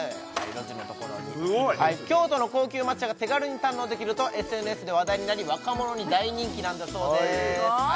路地のところに京都の高級抹茶が手軽に堪能できるとＳＮＳで話題になり若者に大人気なんだそうです